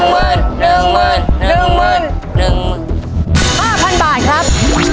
๕๐๐๐บาทครับ